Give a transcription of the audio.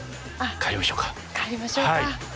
帰りましょうか。